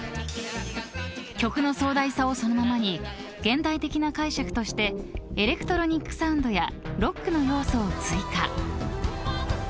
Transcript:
［曲の壮大さをそのままに現代的な解釈としてエレクトロニックサウンドやロックの要素を追加］